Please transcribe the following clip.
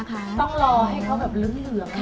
ต้องรอให้เขาแบบเหลือง